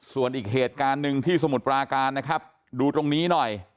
ส่วนอีกเหตุการณ์หนึ่งที่สมุทรปราการนะครับดูตรงนี้หน่อย